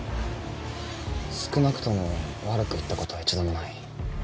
少なくとも悪く言ったことは一度もない。